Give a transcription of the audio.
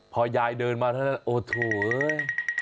พอยายเดินมาโอ้โธ่เว้ย